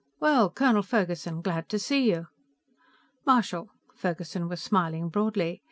"Well, Colonel Ferguson, glad to see you." "Marshal," Ferguson was smiling broadly.